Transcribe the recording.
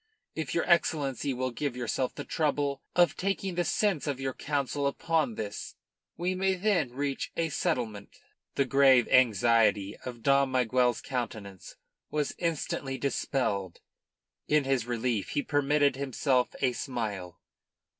If your Excellency will give yourself the trouble of taking the sense of your Council upon this, we may then reach a settlement." The grave anxiety of Dom Miguel's countenance was instantly dispelled. In his relief he permitted himself a smile.